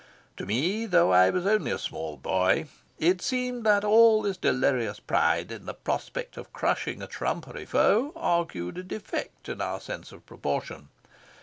To me, though I was only a small boy, it seemed that all this delirious pride in the prospect of crushing a trumpery foe argued a defect in our sense of proportion.